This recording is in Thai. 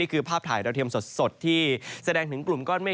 คือภาพถ่ายดาวเทียมสดที่แสดงถึงกลุ่มก้อนเมฆ